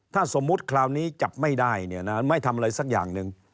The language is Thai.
ถ้าสมมุติคราวนี้จับไม่ได้เนี่ยนะไม่ทำอะไรสักอย่างหนึ่ง